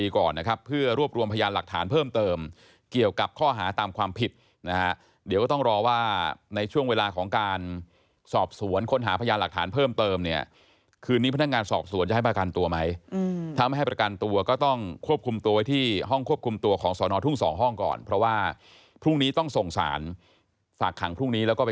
ก่อนนะครับเพื่อรวบรวมพยานหลักฐานเพิ่มเติมเกี่ยวกับข้อหาตามความผิดนะฮะเดี๋ยวก็ต้องรอว่าในช่วงเวลาของการสอบสวนค้นหาพยานหลักฐานเพิ่มเติมเนี่ยคืนนี้พนักงานสอบสวนจะให้ประกันตัวไหมถ้าไม่ให้ประกันตัวก็ต้องควบคุมตัวไว้ที่ห้องควบคุมตัวของสอนอทุ่งสองห้องก่อนเพราะว่าพรุ่งนี้ต้องส่งสารฝากขังพรุ่งนี้แล้วก็ไป